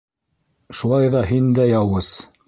Шулай ҙа һин дә яуыз...